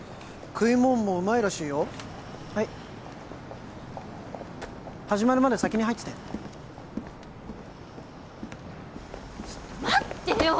食いもんもうまいらしいよはい始まるまで先に入っててちょっと待ってよ！